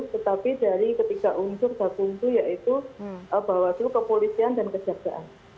tetapi dari ketiga unsur yang ditutupi yaitu bapak selu kepolisian dan kejaksaan